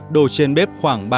đồ trên bếp khoảng ba mươi phút